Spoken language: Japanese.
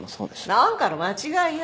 何かの間違いよ。